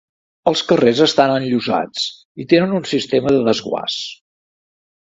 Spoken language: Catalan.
Els carrers estan enllosats i tenen un sistema de desguàs.